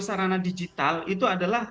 sarana digital itu adalah